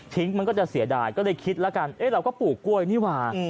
มันก็จะเสียดายก็เลยคิดแล้วกันเราก็ปลูกกล้วยนี่ว่า